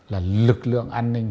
là lực lượng an ninh